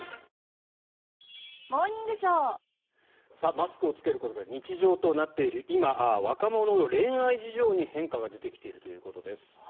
マスクを着けることが日常となっている今若者の恋愛事情に変化が出てきているということです。